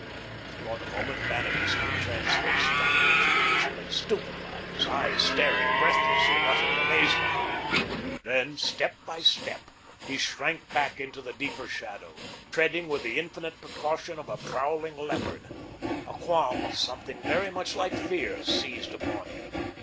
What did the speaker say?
For the moment, Vanamee stood transfixed, struck rigid in his place, stupefied, his eyes staring, breathless with utter amazement. Then, step by step, he shrank back into the deeper shadow, treading with the infinite precaution of a prowling leopard. A qualm of something very much like fear seized upon him.